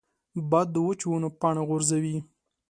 باد د وچو ونو پاڼې غورځوي